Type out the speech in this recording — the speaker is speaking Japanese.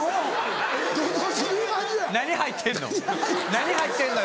何入ってんの？